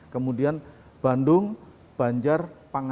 kemudian bandung banjar pangas